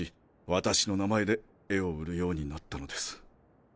私の名前で絵を売るようになったのです。